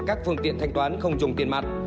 các phương tiện thanh toán không dùng tiền mặt